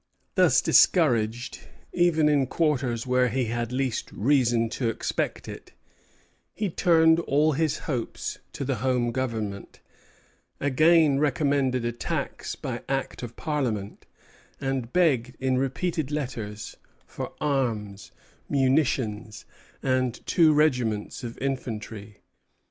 Thus discouraged, even in quarters where he had least reason to expect it, he turned all his hopes to the Home Government; again recommended a tax by Act of Parliament, and begged, in repeated letters, for arms, munitions, and two regiments of infantry.